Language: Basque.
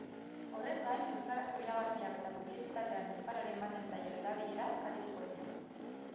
Horrez gain, euskarazko iragarkiak eta publizitatean euskarari emanten zaion erabileraz arituko dira.